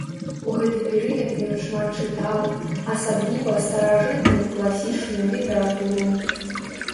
У гэты перыяд ён шмат чытаў, асабліва старажытную класічную літаратуру.